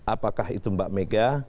apakah itu mbak mega